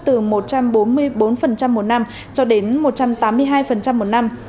từ một trăm bốn mươi bốn một năm cho đến một trăm tám mươi hai một năm